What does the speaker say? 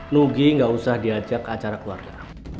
nugi gak usah diajak ke acara keluarga